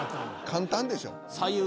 簡単でしょ。